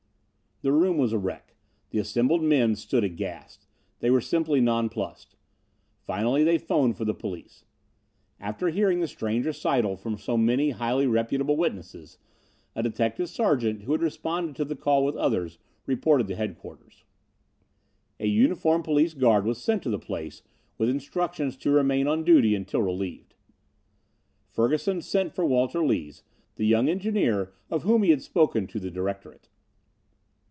The room was a wreck. The assembled men stood aghast. They were simply nonplussed. Finally they phoned for the police. After hearing the strange recital from so many highly reputable witnesses, a detective sergeant, who had responded to the call with others, reported to headquarters. A uniformed police guard was sent to the place with instructions to remain on duty until relieved. Ferguson sent for Walter Lees, the young engineer of whom he had spoken to the directorate.